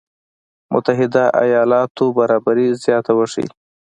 متحده ایالاتو برابري زياته وښيي.